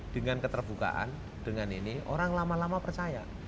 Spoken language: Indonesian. dengan keterbukaan dengan ini orang lama lama percaya